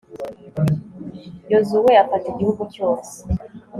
yozuwe afata igihugu cyose